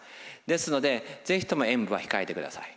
ですので是非とも塩分は控えてください。